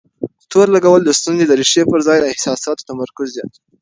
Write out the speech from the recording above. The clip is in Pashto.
تور لګول د ستونزې د ريښې پر ځای د احساساتو تمرکز زياتوي.